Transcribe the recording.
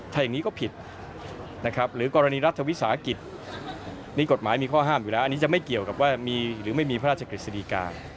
ถ้าอย่างนี้ก็ผิดนะครับหรือกรณีรัฐวิสาหกิจนี่กฎหมายมีข้อห้ามอยู่แล้วอันนี้จะไม่เกี่ยวกับว่ามีหรือไม่มีพระราชกฤษฎีกา